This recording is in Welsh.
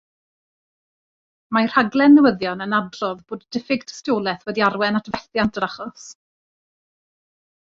Mae rhaglen newyddion yn adrodd bod diffyg tystiolaeth wedi arwain at fethiant yr achos.